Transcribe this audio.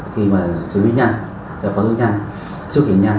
khi mà xử lý nhanh phấn ứng nhanh xúc hình nhanh